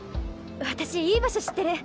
私いい場所知ってる。